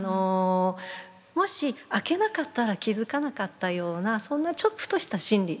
もし空けなかったら気付かなかったようなそんなちょっとした心理。